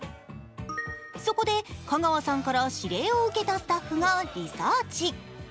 そこで、香川さんから指令を受けたスタッフがリサーチ。